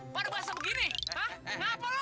pernah basah begini ngapain lu